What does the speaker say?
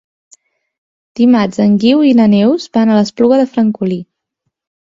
Dimarts en Guiu i na Neus van a l'Espluga de Francolí.